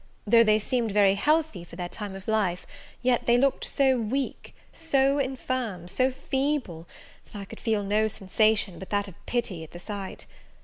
Though they seemed very healthy for their time of life, they yet looked so weak, so infirm, so feeble, that I could feel no sensation but that of pity at the sight.